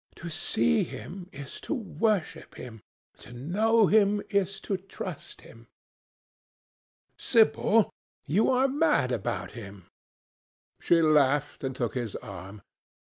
"To see him is to worship him; to know him is to trust him." "Sibyl, you are mad about him." She laughed and took his arm.